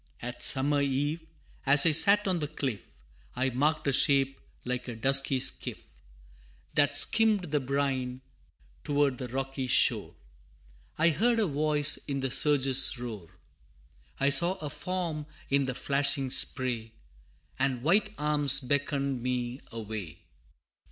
II. At summer eve, as I sat on the cliff, I marked a shape like a dusky skiff, That skimmed the brine, toward the rocky shore I heard a voice in the surge's roar I saw a form in the flashing spray, And white arms beckoned me away.